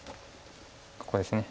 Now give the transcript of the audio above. ここです。